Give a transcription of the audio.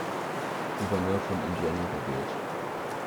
Gouverneur von Indiana gewählt.